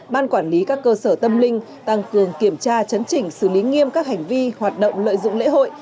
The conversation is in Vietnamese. ban quản lý các cơ sở tâm linh tăng cường kiểm tra chấn chỉnh xử lý nghiêm các hành vi hoạt động lợi dụng lễ hội